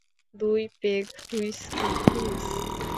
দুই peg whisky, please.